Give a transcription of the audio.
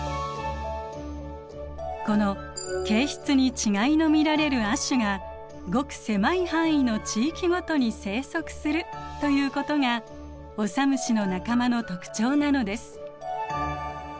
この形質に違いの見られる亜種がごく狭い範囲の地域ごとに生息するということがオサムシの仲間の特徴なのです。